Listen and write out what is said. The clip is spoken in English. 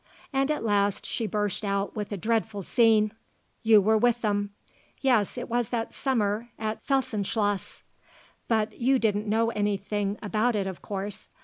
And at last she burst out with a dreadful scene. You were with them; yes, it was that summer at Felsenschloss; but you didn't know anything about it of course.